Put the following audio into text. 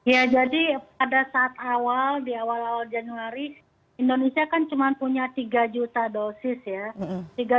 ya jadi pada saat awal di awal awal januari indonesia kan cuma punya tiga juta dosis ya